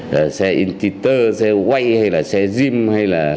là xe intuiter xe way hay là xe jim hay là